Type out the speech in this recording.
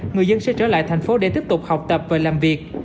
người dân sẽ trở lại thành phố để tiếp tục học tập và làm việc